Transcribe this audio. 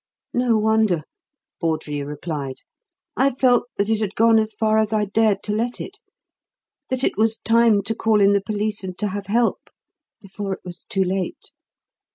"No wonder!" Bawdrey replied. "I felt that it had gone as far as I dared to let it; that it was time to call in the police and to have help before it was too late.